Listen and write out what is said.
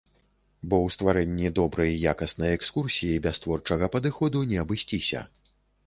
Бо ў стварэнні добрай якаснай экскурсіі без творчага падыходу не абысціся.